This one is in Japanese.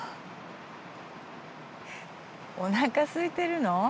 おなかすいてるの？